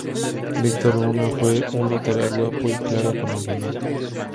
Víctor Luna fue un lateral guapo y claro con el balón.